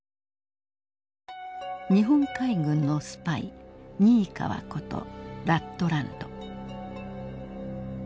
日本海軍のスパイニイカワことラットランド。